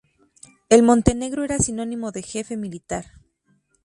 En Montenegro era sinónimo de jefe militar.